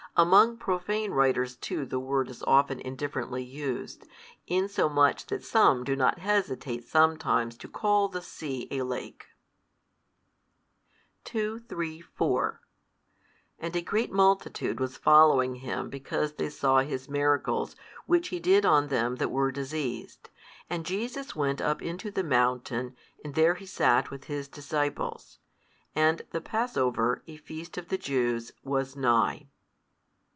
Among profane writers too the word is often indifferently used, insomuch that some do not hesitate sometimes to call the sea a lake. |318 2, 3, 4 And a great multitude was following Him because they saw His miracles which He did on them that were diseased: and Jesus went up into the mountain and there He sat with His disciples, and the Passover, a feast of the Jews, was nigh.